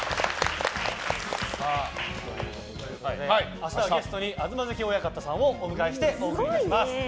明日はゲストに東関親方さんをお迎えしてお送りします。